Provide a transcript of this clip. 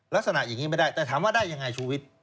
ลักษณะอย่างนี้ไม่ได้แต่ถามว่าได้ยังไงชูวิทย์